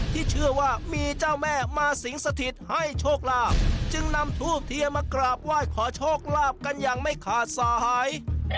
ที่เชื่อว่ามีเจ้าแม่มาสิงสถิตให้โชคลาภจึงนำทูบเทียนมากราบไหว้ขอโชคลาภกันอย่างไม่ขาดสาย